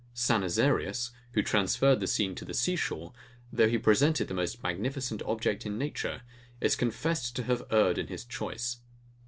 Sannazarius, who transferred the scene to the sea shore, though he presented the most magnificent object in nature, is confessed to have erred in his choice.